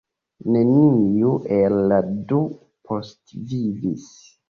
Neniu el la du postvivis.